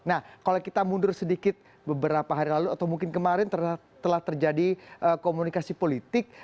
nah kalau kita mundur sedikit beberapa hari lalu atau mungkin kemarin telah terjadi komunikasi politik